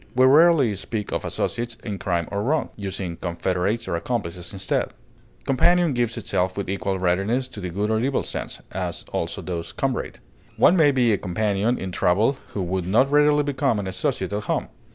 We rarely speak of associates in crime or wrong, using confederates or accomplices instead. Companion gives itself with equal readiness to the good or evil sense, as also does comrade. One may be a companion in travel who would not readily become an associate at home.